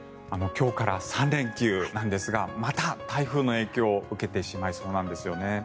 今日から３連休なんですがまた、台風の影響を受けてしまいそうなんですよね。